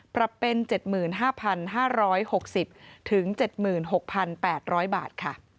ปรับเป็น๗๕๕๖๐ถึง๗๖๘๐๐บาท